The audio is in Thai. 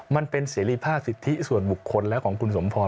มันเป็นเสรีภาพสิทธิส่วนบุคคลแล้วของคุณสมพร